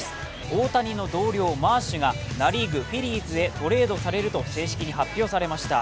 大谷の同僚・マーシュがナ・リーグ、フィリーズへトレードされると正式に発表されました。